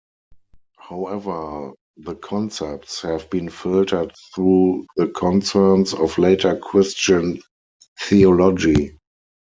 However the concepts have been filtered through the concerns of later Christian theology.